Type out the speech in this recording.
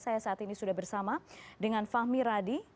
saya saat ini sudah bersama dengan fahmi radi